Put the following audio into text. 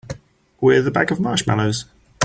With a bag of marshmallows.